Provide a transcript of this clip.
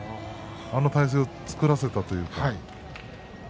あの体勢を作らせたというか。